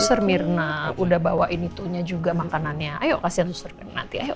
susur mirna udah bawain itunya juga makanannya ayo kasian susur nanti ayo